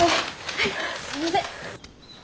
はいすいません。